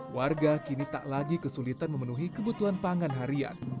warga kini tak lagi kesulitan memenuhi kebutuhan pangan harian